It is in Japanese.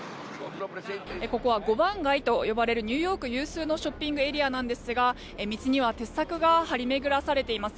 ここは５番街と呼ばれるニューヨーク有数のショッピングエリアなんですが道には鉄柵が張り巡らされています。